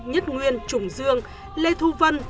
nhất nguyên trùng dương lê thu vân